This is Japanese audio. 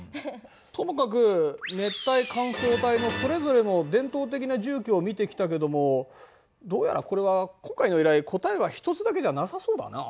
ともかく熱帯乾燥帯のそれぞれの伝統的な住居を見てきたけどもどうやらこれは今回の依頼は答えは１つだけじゃなさそうだな。